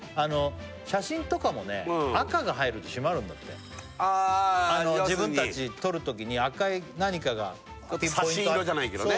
写真とかもね赤が入ると締まるんだって自分たち撮るときに赤い何かが差し色じゃないけどね